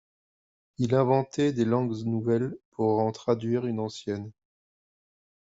Ils inventaient des langues nouvelles pour en traduire une ancienne.